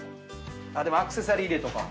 でもアクセサリー入れとか。